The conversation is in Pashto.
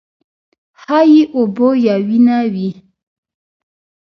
ښايي اوبه یا وینه وي.